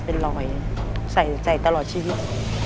เป็นรอยใส่ตลอดชีวิต